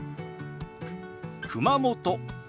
「熊本」。